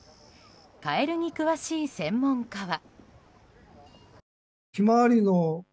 カエルに詳しい専門家は。